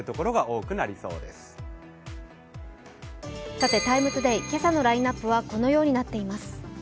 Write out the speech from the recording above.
さて「ＴＩＭＥ，ＴＯＤＡＹ」今朝のラインナップはこのようになっています。